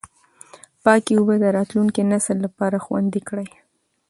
پاکې اوبه د راتلونکي نسل لپاره خوندي کړئ.